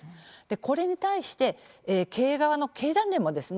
これに対して経営側の経団連もですね